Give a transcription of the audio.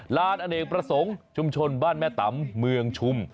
ลานอเนกประสงค์ชุมชนบ้านแม่ตำเมืองชุม